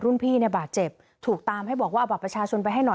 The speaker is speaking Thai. พี่เนี่ยบาดเจ็บถูกตามให้บอกว่าเอาบัตรประชาชนไปให้หน่อย